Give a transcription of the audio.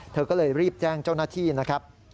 เธอก็เลยรีบแจ้งเจ้าหน้าที่นะครับ